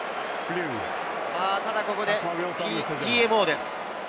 ただここでＴＭＯです。